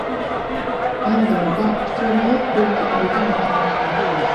ئەينى دەۋردە ئۈچ ۋىلايەت ئۆلكە ئورنىغا ۋەكىللىك قىلاتتى.